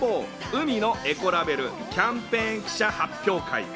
海のエコラベルキャンペーン記者発表会。